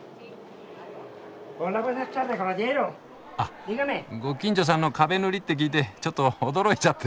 あご近所さんの壁塗りって聞いてちょっと驚いちゃって。